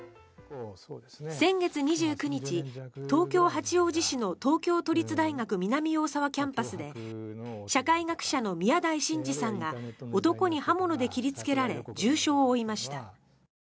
先月２９日、東京・八王子市の東京都立大学南大沢キャンパスで社会学者の宮台真司さんが男に刃物で切りつけられ重傷を負いました。